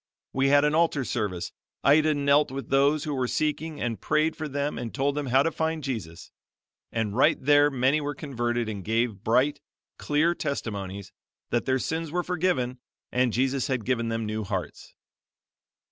We had an altar service. Ida knelt with those who were seeking and prayed for them and told them how to find Jesus; and right there many were converted and gave bright, clear testimonies that their sins were forgiven and Jesus had given them new hearts.